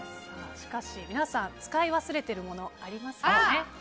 しかし皆さん使い忘れてるものありますよね。